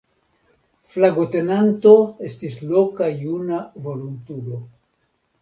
Flagotenanto estis loka juna volontulo.